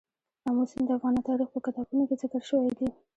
آمو سیند د افغان تاریخ په کتابونو کې ذکر شوی دي.